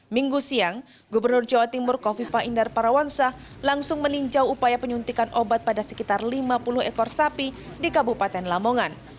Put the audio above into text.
minggu siang gubernur jawa timur kofifa indar parawansa langsung meninjau upaya penyuntikan obat pada sekitar lima puluh ekor sapi di kabupaten lamongan